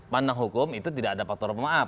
pandang hukum itu tidak ada faktor pemaaf